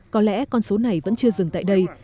có lẽ con số này vẫn chưa dừng tại đây